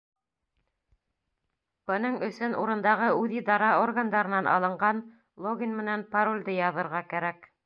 Бының өсөн урындағы үҙидара органдарынан алынған логин менән паролде яҙырға кәрәк.